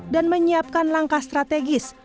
dan menyiapkan langkah strategis